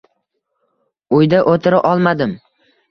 Uyda o`tira olmadim